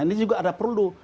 ini juga ada perlu